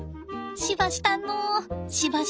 しばし堪能！